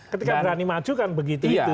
ketika berani maju kan begitu itu